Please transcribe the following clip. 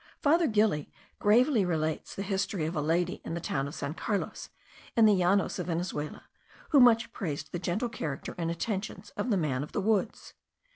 Father Gili gravely relates the history of a lady in the town of San Carlos, in the Llanos of Venezuela, who much praised the gentle character and attentions of the man of the woods.